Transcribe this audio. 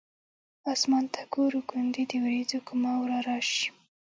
اسمان ته ګورو ګوندې د ورېځو کومه ورا راشي.